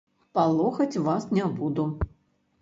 Палохаць вас не буду.